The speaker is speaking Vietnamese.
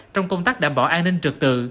trong công tác đảm bảo an ninh trực tự